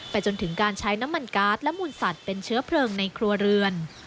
จนถึงการใช้น้ำมันการ์ดและมูลสัตว์เป็นเชื้อเพลิงในครัวเรือน